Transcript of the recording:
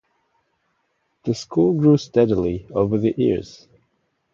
The school grew steadily over the years.